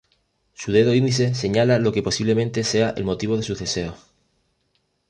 Su dedo índice señala lo que posiblemente sea el motivo de sus deseos.